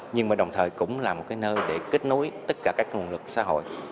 nhưng mà đồng thời cũng là một cái nơi để kết nối tất cả các nguồn lực xã hội